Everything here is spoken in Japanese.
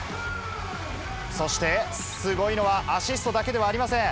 そして、すごいのはアシストだけではありません。